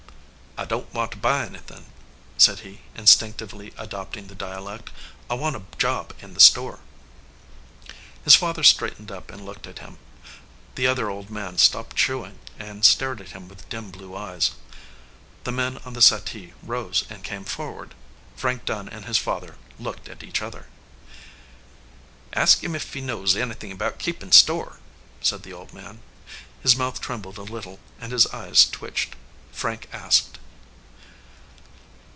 "I don t want to buy anythin ," said he, instinctively adopting the dialect. "I want a job in the store." His father straightened up and looked at him. The other old man stopped chewing and stared at him with dim blue eyes. The men on the settee rose and came forward. Frank Dunn and his father looked at each other. 20 297 EDGEWATER PEOPLE "Ask him if he knows any thin about keepin store," said the old man. His mouth trembled a little and his eyes twitched. Frank asked.